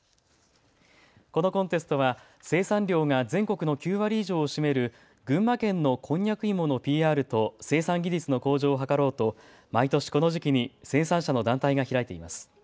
このコンテストは生産量が全国の９割以上を占める群馬県のこんにゃく芋のＰＲと生産技術の向上を図ろうと毎年、この時期に生産者の団体が開いています。